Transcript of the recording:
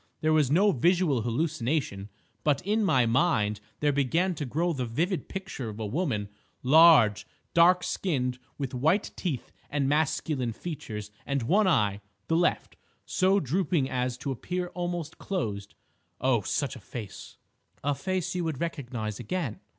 There was no visual hallucination. But in my mind there began to grow the vivid picture of a woman—large, dark skinned, with white teeth and masculine features, and one eye—the left—so drooping as to appear almost closed. Oh, such a face—!" "A face you would recognise again?"